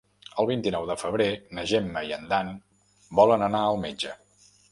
El vint-i-nou de febrer na Gemma i en Dan volen anar al metge.